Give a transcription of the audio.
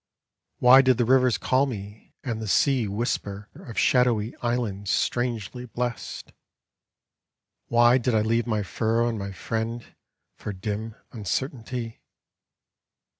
Why did the rivers call me, and the sea Whisper of shadowy islands strangely blest? Why did I leave my furrow and my friend For dim uncertainty?